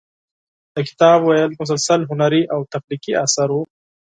د کتاب لوست مسلسل هنري او تخلیقي اثر و.